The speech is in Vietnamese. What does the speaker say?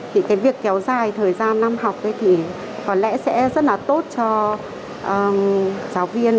thì cái việc kéo dài thời gian năm học thì có lẽ sẽ rất là tốt cho giáo viên